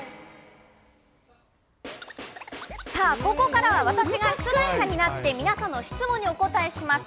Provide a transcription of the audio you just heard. さあ、ここからは私が出題者になって、皆さんの質問にお答えします。